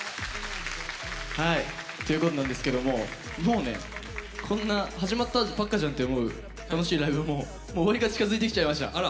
ということなんですけども、もうねこんな始まったばっかじゃんって思う楽しいライブも終わりが近づいてきちゃいました。